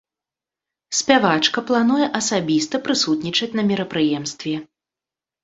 Спявачка плануе асабіста прысутнічаць на мерапрыемстве.